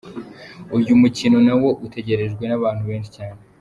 Uyu mukino nawo utegerejwe n'abantu benshi cyane.